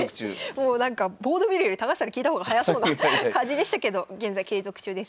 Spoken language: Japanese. もうなんかボード見るより高橋さんに聞いた方が早そうな感じでしたけど現在継続中です。